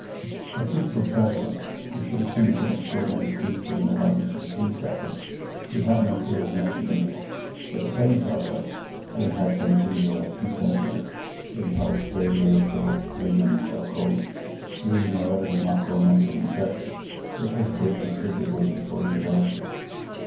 A truthful traveller, who should have seen some extraordinary creature in the likeness of a sea serpent, would have no fear of mentioning it; but the same traveller, having had some singular presentiment, impulse, vagary of thought, vision (so called), dream, or other remarkable mental impression, would hesitate considerably before he would own to it.